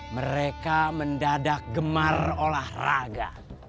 mereka mendadak gemar olahraga